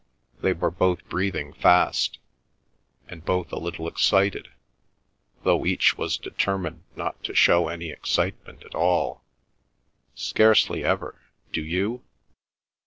They were both breathing fast, and both a little excited, though each was determined not to show any excitement at all. "Scarcely ever. Do you?"